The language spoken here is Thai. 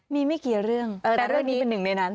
มีไม่กี่เรื่องแต่เรื่องนี้เป็นหนึ่งในนั้น